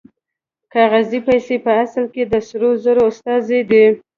کاغذي پیسې په اصل کې د سرو زرو استازي دي